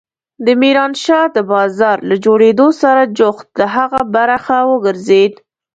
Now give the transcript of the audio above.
د ميرانشاه د بازار له جوړېدو سره جوخت د هغه برخه وګرځېد.